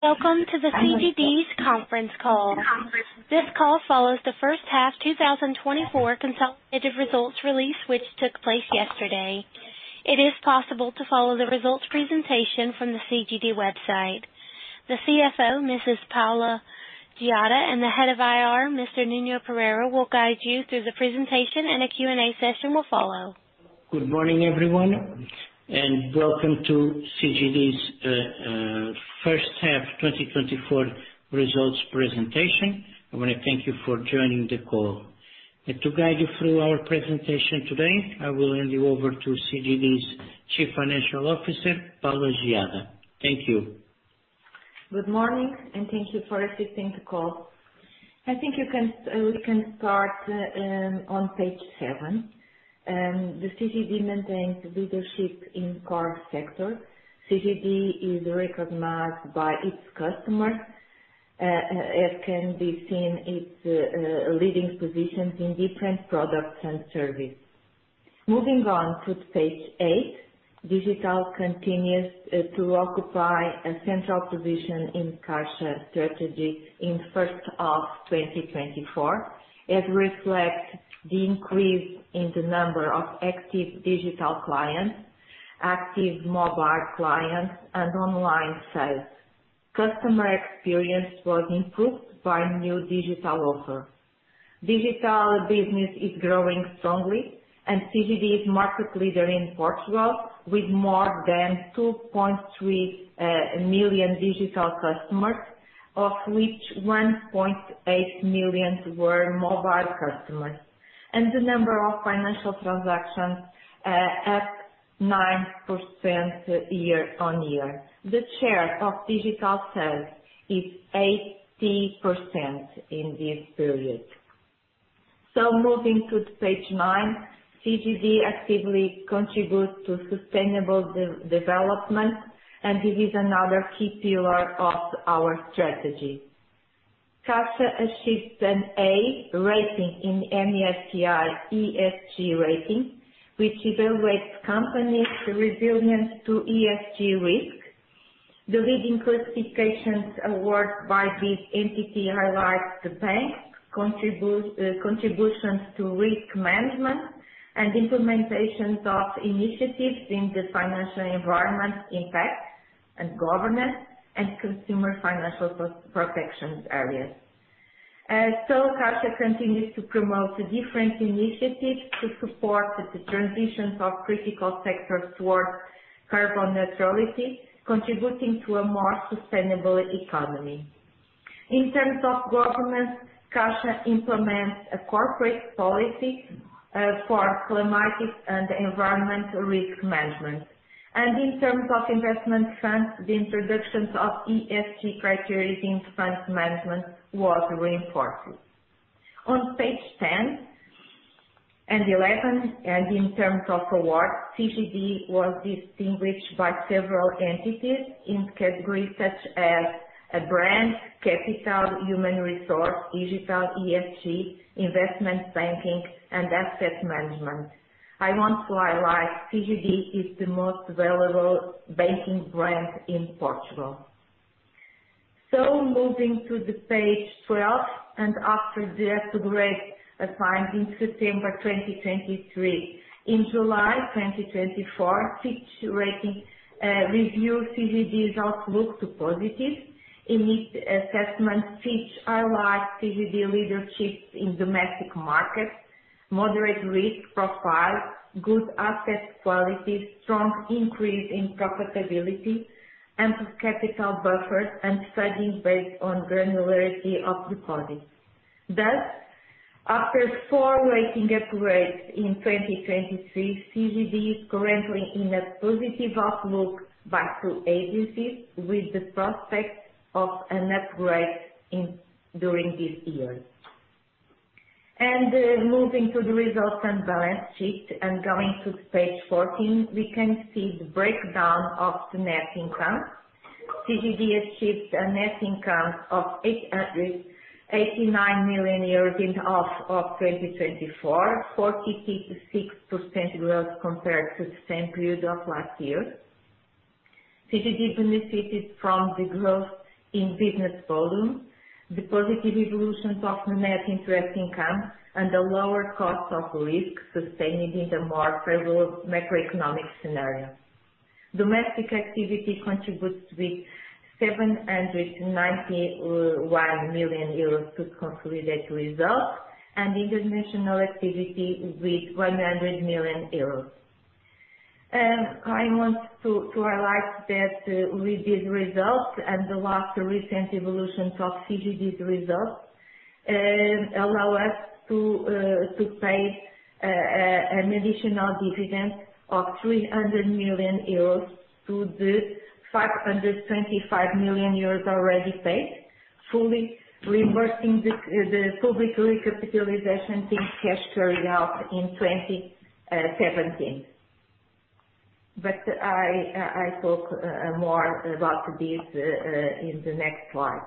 ...Welcome to the CGD's conference call. This call follows the first half 2024 consolidated results release, which took place yesterday. It is possible to follow the results presentation from the CGD website. The CFO, Mrs. Paula Geada, and the Head of IR, Mr. Nuno Pereira, will guide you through the presentation, and a Q&A session will follow. Good morning, everyone, and welcome to CGD's first half 2024 results presentation. I want to thank you for joining the call. To guide you through our presentation today, I will hand you over to CGD's Chief Financial Officer, Paula Geada. Thank you. Good morning, and thank you for assisting the call. I think you can, we can start, on page seven. The CGD maintains leadership in core sector. CGD is recognized by its customers, as can be seen its, leading positions in different products and services. Moving on to page eight, digital continues, to occupy a central position in Caixa strategy in first of 2024, it reflects the increase in the number of active digital clients, active mobile clients, and online sales. Customer experience was improved by new digital offer. Digital business is growing strongly, and CGD is market leader in Portugal with more than 2.3 million digital customers, of which 1.8 million were mobile customers, and the number of financial transactions, up 9% year-on-year. The share of digital sales is 80% in this period. Moving to page nine, CGD actively contributes to sustainable development, and this is another key pillar of our strategy. Caixa achieves an A rating in MSCI ESG rating, which evaluates companies' resilience to ESG risk. The leading classification awarded by this entity highlights the bank's contributions to risk management and implementation of initiatives in the financial environment, impact and governance, and consumer financial protections areas. Caixa continues to promote the different initiatives to support the transitions of critical sectors towards carbon neutrality, contributing to a more sustainable economy. In terms of governance, Caixa implements a corporate policy for climatic and environmental risk management. In terms of investment funds, the introduction of ESG criteria in fund management was reinforced. On page 10 and 11, and in terms of awards, CGD was distinguished by several entities in categories such as a brand, capital, human resource, digital, ESG, investment banking, and asset management. I want to highlight, CGD is the most valuable banking brand in Portugal. Moving to page 12, and after the upgrade assigned in September 2023. In July 2024, Fitch Ratings reviewed CGD's outlook to positive. In its assessment, Fitch highlights CGD leadership in domestic markets, moderate risk profile, good asset quality, strong increase in profitability, ample capital buffers, and funding based on granularity of deposits. Thus, after four rating upgrades in 2023, CGD is currently in a positive outlook by two agencies, with the prospect of an upgrade during this year. Moving to the results and balance sheet and going to page 14, we can see the breakdown of the net income. CGD achieved a net income of 889 million euros in the first half of 2024, 46% growth compared to the same period of last year. CGD benefited from the growth in business volumes, the positive evolution of the net interest income, and the lower cost of risk sustained in the more favorable macroeconomic scenario. Domestic activity contributes with 791 million euros to consolidate results, and international activity with 100 million euros. I want to highlight that with these results and the last recent evolutions of CGD's results allow us to pay an additional dividend of 300 million euros to the 525 million euros already paid, fully reimbursing the public recapitalization in cash carried out in 2017. But I talk more about this in the next slide...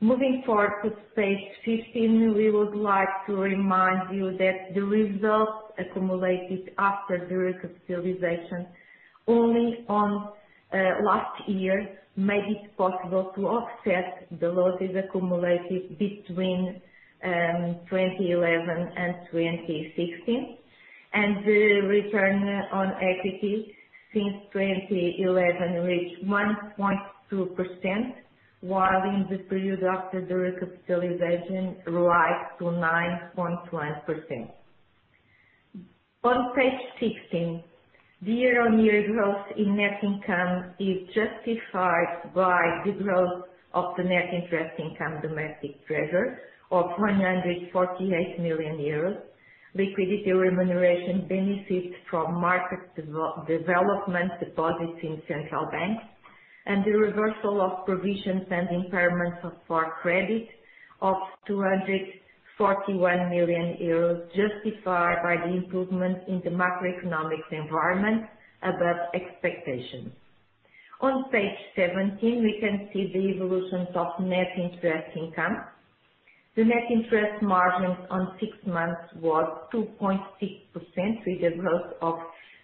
Moving forward to page 15, we would like to remind you that the results accumulated after the recapitalization only on last year made it possible to offset the losses accumulated between 2011 and 2016. And the return on equity since 2011 reached 1.2%, while in the period after the recapitalization rose to 9.1%. On page 16, the year-on-year growth in net interest income is justified by the growth of the net interest income domestic treasury of 148 million euros, liquidity remuneration benefits from market development, deposits in central banks, and the reversal of provisions and impairments for credit of 241 million euros, justified by the improvement in the macroeconomic environment above expectations. On page 17, we can see the evolutions of net interest income. The net interest margin on six months was 2.6%, with a growth of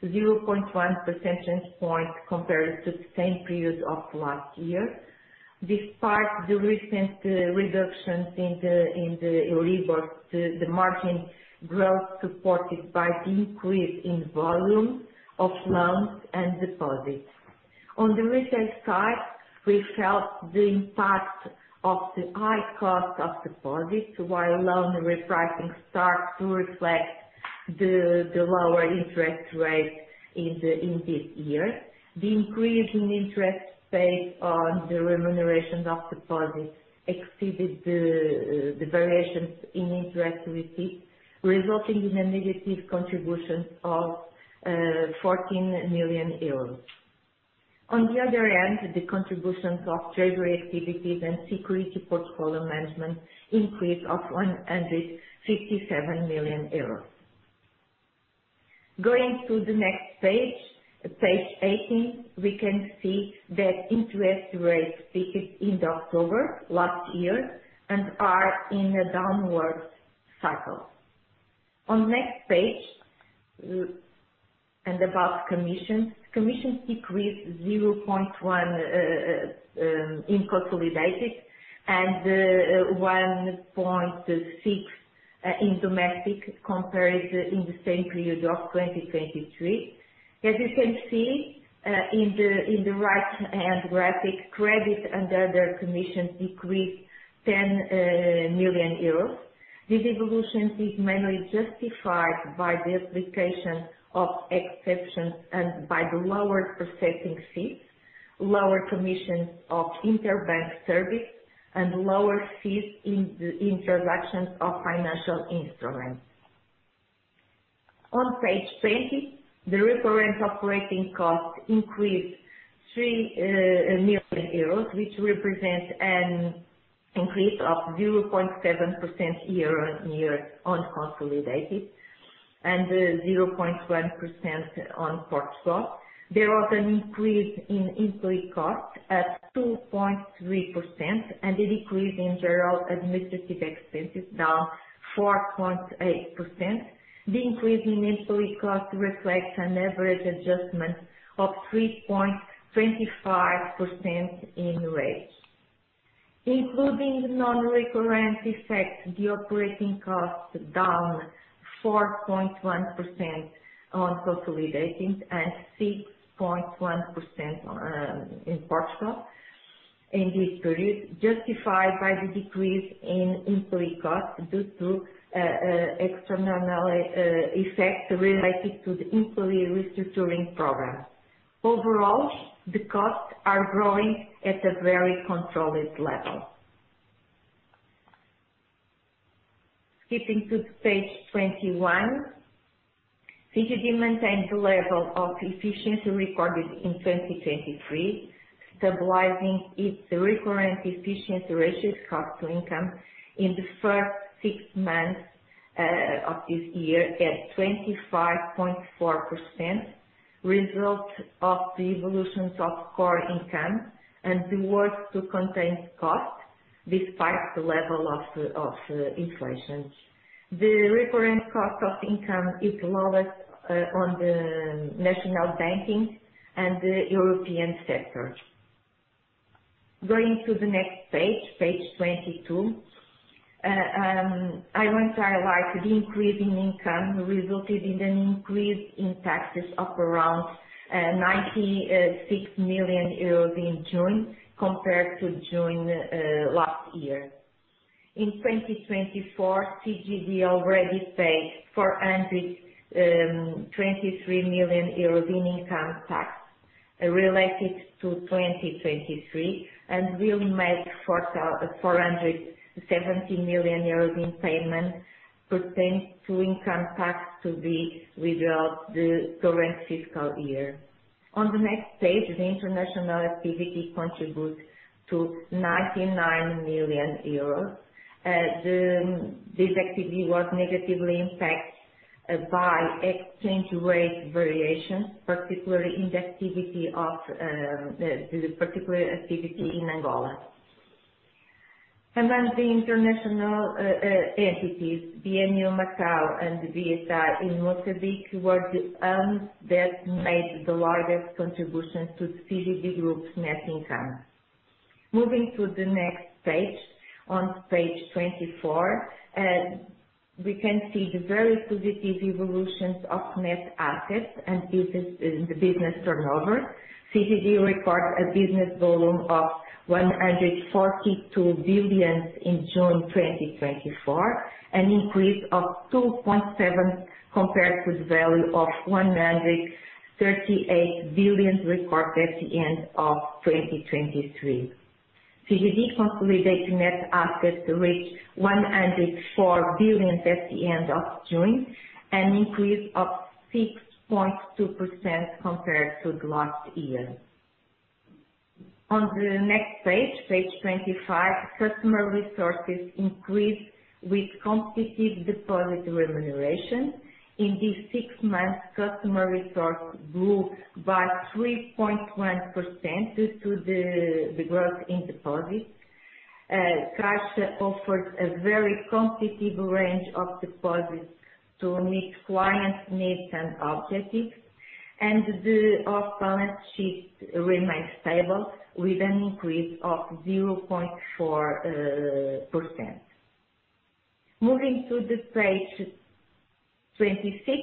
0.1 percentage point compared to the same period of last year. Despite the recent reductions in the Euribor, the margin growth supported by the increase in volume of loans and deposits. On the retail side, we felt the impact of the high cost of deposits, while loan repricing starts to reflect the lower interest rates in this year. The increase in interest paid on the remunerations of deposits exceeded the variations in interest received, resulting in a negative contribution of 14 million euros. On the other hand, the contributions of treasury activities and security portfolio management increased of 157 million euros. Going to the next page, page 18, we can see that interest rates peaked in October last year and are in a downward cycle. On next page, and about commissions. Commissions decreased 0.1 in consolidated and 1.6 in domestic, compared in the same period of 2023. As you can see, in the right-hand graphic, credit and other commissions decreased 10 million euros. This evolution is mainly justified by the application of exceptions and by the lower processing fees, lower commissions of interbank service, and lower fees in the introductions of financial instruments. On page 20, the recurrent operating costs increased 3 million euros, which represents an increase of 0.7% year-on-year on consolidated, and 0.1% on Portugal. There was an increase in employee costs at 2.3% and a decrease in general administrative expenses, down 4.8%. The increase in employee cost reflects an average adjustment of 3.25% in rates. Including non-recurrent effects, the operating costs down 4.1% on consolidated and 6.1% in Portugal in this period, justified by the decrease in employee costs due to extraordinary effects related to the employee restructuring program. Overall, the costs are growing at a very controlled level. Skipping to page 21, CGD maintained the level of efficiency recorded in 2023, stabilizing its recurrent efficiency ratio cost-to-income in the first six months of this year at 25.4%, result of the evolutions of core income and the work to contain costs despite the level of inflation. The recurrent cost of income is lowest on the national banking and the European sector. Going to the next page, page 22. I want to highlight the increase in income, resulted in an increase in taxes of around 96 million euros in June, compared to June last year. In 2024, CGD already paid 423 million euros in income tax related to 2023, and will make 470 million euros in payments pertaining to income tax to be throughout the current fiscal year. On the next page, the international activity contributes to 99 million euros. This activity was negatively impacted by exchange rate variations, particularly in the activity of the particular activity in Angola. Among the international entities, BNU Macau and BCI in Mozambique were the arms that made the largest contributions to the CGD group's net income. Moving to the next page, on page 24, we can see the very positive evolutions of net assets and business, and the business turnover. CGD records a business volume of 142 billion in June 2024, an increase of 2.7, compared to the value of 138 billion recorded at the end of 2023. CGD consolidated net assets reached 104 billion at the end of June, an increase of 6.2% compared to last year. On the next page, page 25, customer resources increased with competitive deposit remuneration. In this six months, customer resource grew by 3.1%, due to the growth in deposits. Caixa offered a very competitive range of deposits to meet client needs and objectives, and the off-balance sheet remains stable with an increase of 0.4%. Moving to page 26,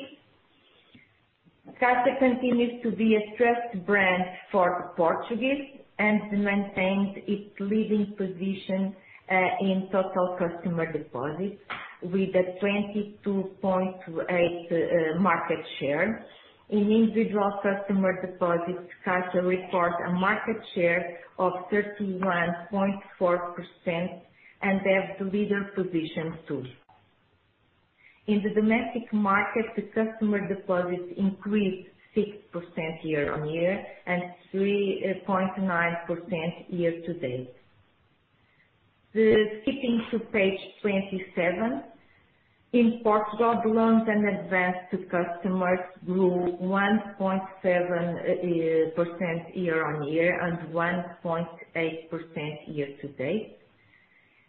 Caixa continues to be a trusted brand for the Portuguese and maintains its leading position in total customer deposits with a 22.8 market share. In individual customer deposits, Caixa reports a market share of 31.4%, and they have the leader position, too. In the domestic market, the customer deposits increased 6% year-on-year, and 3.9% year-to-date. Skipping to page 27. In Portugal, loans and advance to customers grew 1.7% year-on-year, and 1.8% year-to-date.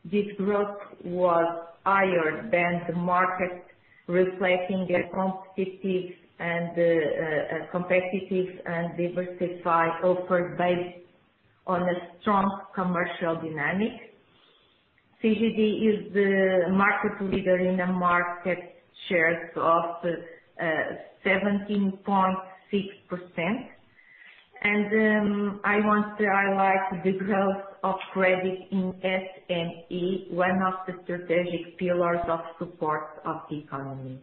This growth was higher than the market, reflecting a competitive and competitive and diversified offer based on a strong commercial dynamic. CGD is the market leader in the market shares of 17.6%. I want to highlight the growth of credit in SME, one of the strategic pillars of support of the economy.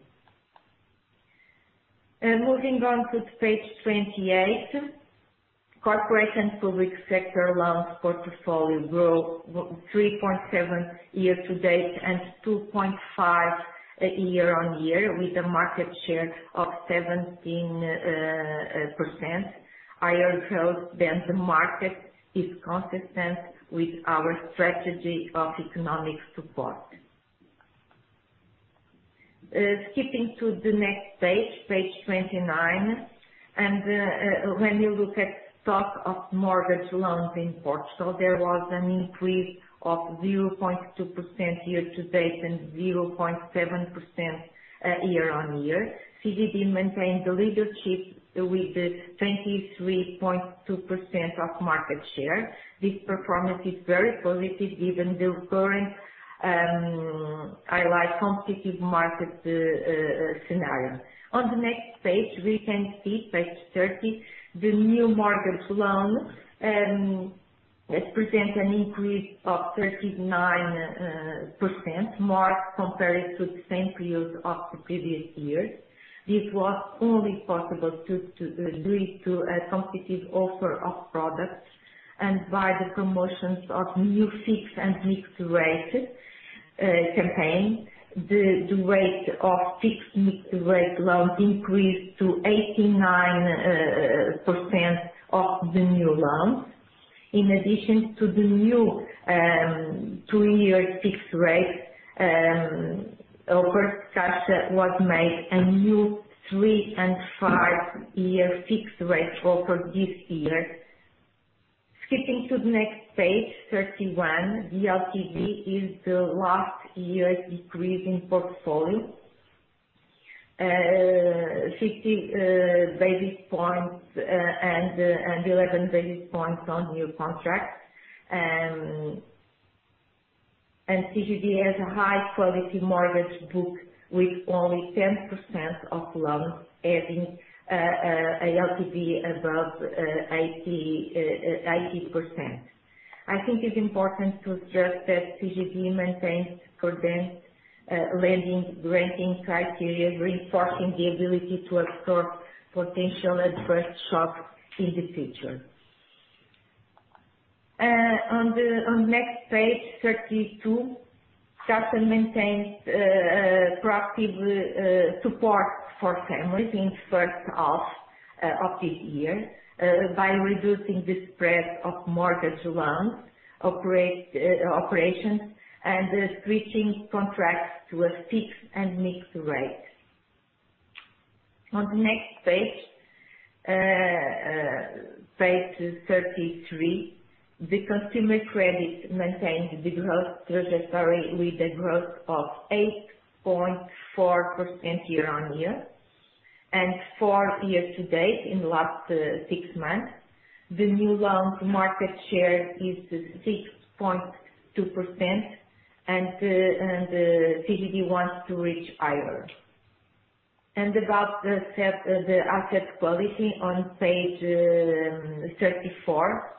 Moving on to page 28, corporate public sector loans portfolio grew 3.7 year-to-date, and 2.5 year-on-year, with a market share of 17%. Higher growth than the market is consistent with our strategy of economic support. Skipping to the next page, page 29, when you look at stock of mortgage loans in Portugal, there was an increase of 0.2% year-to-date, and 0.7% year-on-year. CGD maintained the leadership with the 23.2% of market share. This performance is very positive, given the current highly competitive market scenario. On the next page, we can see, page 30, the new mortgage loan, it presents an increase of 39% more compared to the same period of the previous year. This was only possible due to a competitive offer of products and by the promotions of new fixed and mixed rate campaign. The rate of fixed mixed rate loans increased to 89% of the new loans. In addition to the new two-year fixed rate offered, Caixa was made a new three and five-year fixed rate offer this year. Skipping to the next page, 31. The LTV [saw] the last year's decrease in portfolio 60 basis points and 11 basis points on new contracts. CGD has a high quality mortgage book with only 10% of loans having a LTV above 80%. I think it's important to stress that CGD maintains prudent lending criteria, reinforcing the ability to absorb potential adverse shocks in the future. On the next page, 32, Caixa maintains proactive support for families in the first half of this year by reducing the spread of mortgage loan operations and switching contracts to a fixed and mixed rate. On the next page, page 33, the consumer credit maintained the growth trajectory with a growth of 8.4% year-on-year, and 4% year-to-date in the last six months. The new loan market share is 6.2% and the CGD wants to reach higher. About the asset quality on page 34,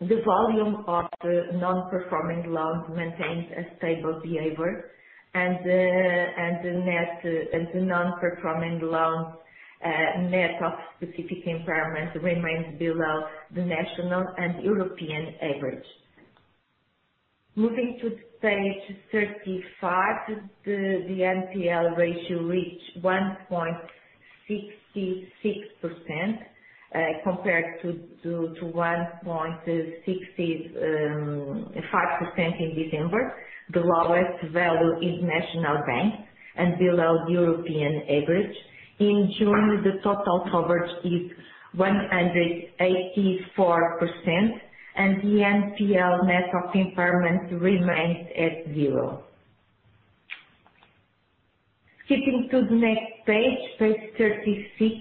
the volume of the non-performing loans maintains a stable behavior, and the net non-performing loans net of specific impairments remains below the national and European average. Moving to page 35, the NPL ratio reached 1.66%, compared to 1.65% in December. The lowest value is national bank and below European average. In June, the total coverage is 184%, and the NPL net of impairment remains at zero. Skipping to the next page, page 36,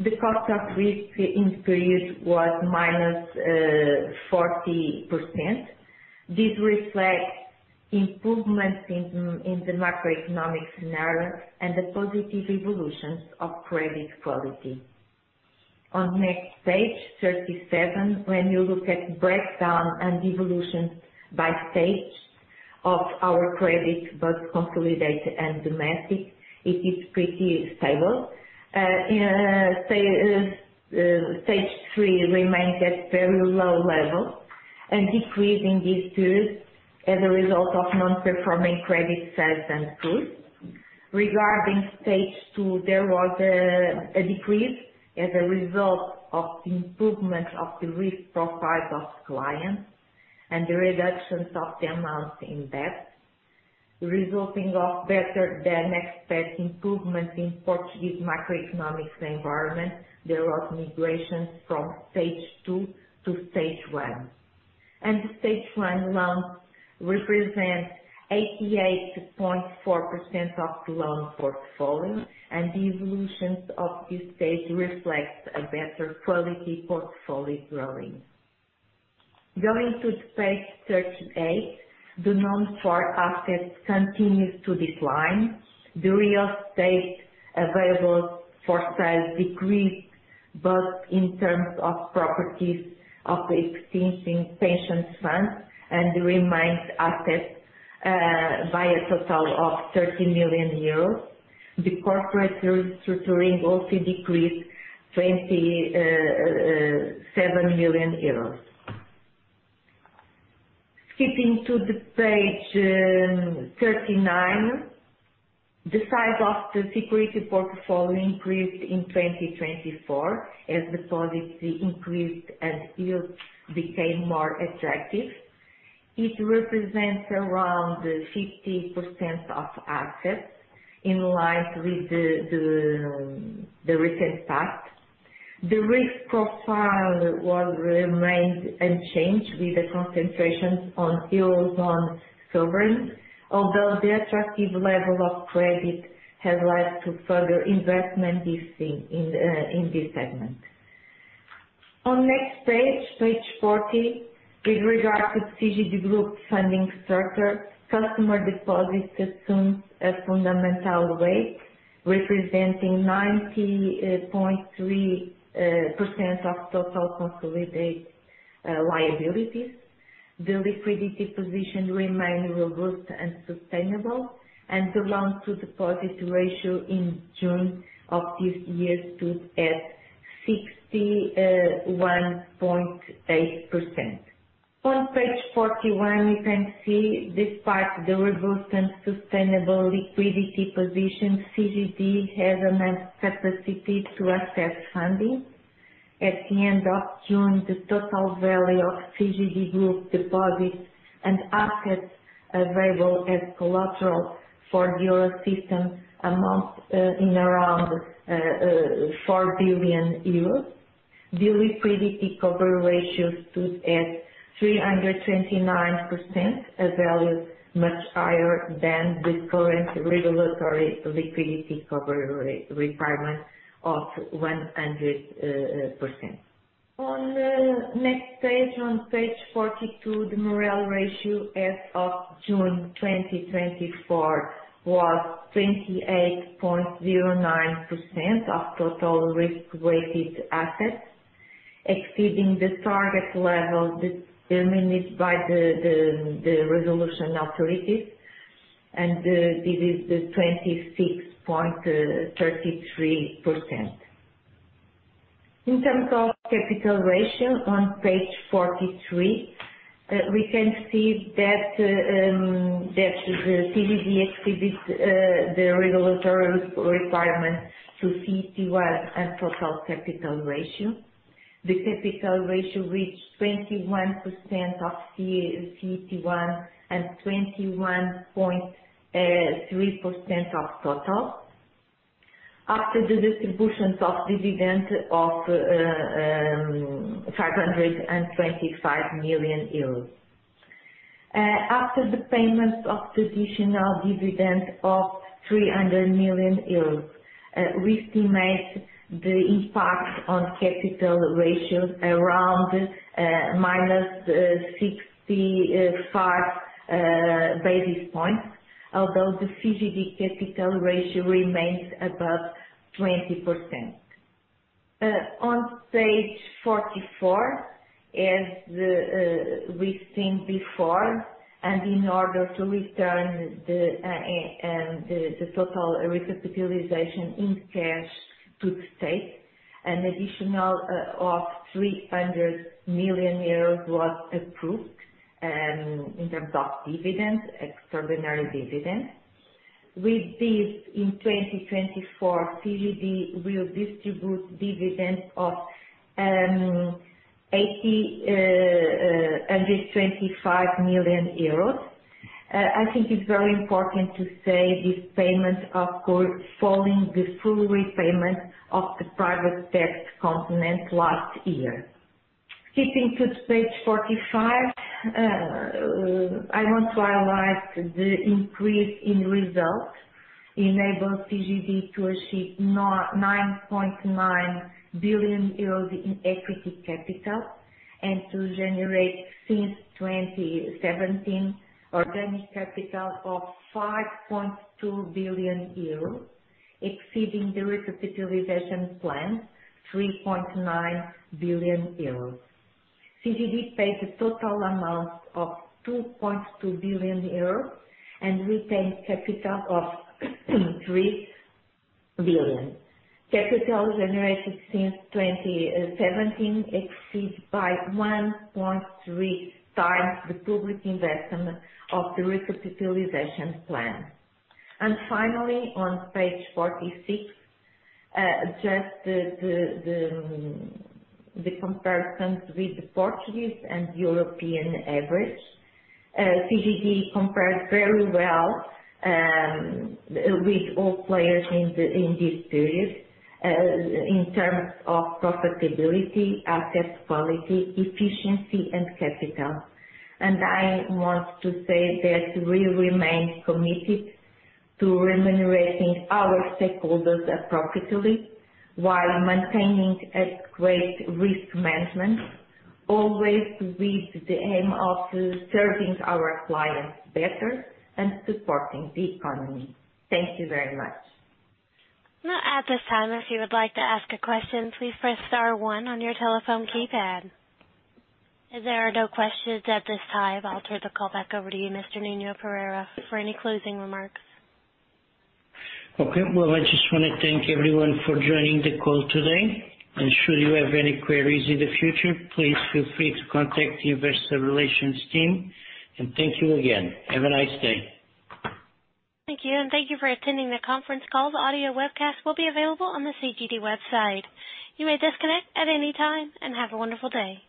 the cost of risk in the period was -40%. This reflects improvement in the macroeconomic scenario and the positive evolutions of credit quality. On next page, 37, when you look at breakdown and evolution by stage of our credit, both consolidated and domestic, it is pretty stable. Stage 3 remains at very low level and decreasing these two as a result of non-performing credit sales and cures. Regarding Stage 1, there was a decrease as a result of the improvement of the risk profile of clients and the reduction of the amounts in debt. Resulting from better than expected improvement in Portuguese macroeconomic environment, there was migration from Stage 2 to Stage 1. The Stage 1 loans represent 88.4% of the loan portfolio, and the evolutions of this Stage reflects a better quality portfolio growing. Going to page 38, the non-core assets continues to decline. The real estate available for sale decreased, both in terms of properties of the existing pension fund, and REO assets, by a total of 30 million euros. The corporate restructuring also decreased 27 million. Skipping to page 39, the size of the security portfolio increased in 2024 as deposits increased and yields became more attractive. It represents around 50% of assets, in line with the recent past. The risk profile was remained unchanged, with a concentration on Eurobond sovereign, although the attractive level of credit has led to further investment this year in this segment. On the next page, page 40, with regard to CGD Group funding structure, customer deposits assume a fundamental role, representing 90.3% of total consolidated liabilities. The liquidity position remains robust and sustainable, and the loan-to-deposit ratio in June of this year stood at 61.8%. On page 41, you can see despite the robust and sustainable liquidity position, CGD has a net capacity to access funding. At the end of June, the total value of CGD Group deposits and assets available as collateral for the Eurosystem amounts to around EUR 4 billion. The liquidity coverage ratio stood at 329%, a value much higher than the current regulatory liquidity coverage requirement of 100%. On the next page, on page 42, the MREL ratio as of June 2024 was 28.09% of total risk weighted assets, exceeding the target level determined by the resolution authorities, and this is the 26.33%. In terms of capital ratio, on page 43. We can see that the CGD exhibits the regulatory requirements to CET1 and total capital ratio. The capital ratio reached 21% of CET1 and 21.3% of total. After the distributions of dividend of 525 million euros. After the payments of traditional dividend of 300 million euros, we estimate the impact on capital ratios around minus 65 basis points, although the CGD capital ratio remains above 20%. On page 44, as we've seen before, and in order to return the total recapitalization in cash to the State, an additional 300 million euros was approved in terms of dividends, extraordinary dividends. With this, in 2024, CGD will distribute dividends of 105 million euros. I think it's very important to say this payment is following the full repayment of the private debt commitment last year. Skipping to page 45, I want to highlight the increase in results, enabled CGD to achieve 9.9 billion euros in equity capital, and to generate since 2017, organic capital of 5.2 billion euros, exceeding the recapitalization plan 3.9 billion euros. CGD paid a total amount of 2.2 billion euros and retained capital of 3 billion. Capital generated since 2017 exceeds by 1.3x the public investment of the recapitalization plan. Finally, on page 46, just the comparison with the Portuguese and European average. CGD compares very well with all players in the, in this period, in terms of profitability, asset quality, efficiency, and capital. And I want to say that we remain committed to remunerating our stakeholders appropriately while maintaining a great risk management, always with the aim of serving our clients better and supporting the economy. Thank you very much. Now, at this time, if you would like to ask a question, please press star one on your telephone keypad. There are no questions at this time. I'll turn the call back over to you, Mr. Nuno Pereira, for any closing remarks. Okay. Well, I just want to thank everyone for joining the call today, and should you have any queries in the future, please feel free to contact the investor relations team, and thank you again. Have a nice day. Thank you, and thank you for attending the conference call. The audio webcast will be available on the CGD website. You may disconnect at any time, and have a wonderful day.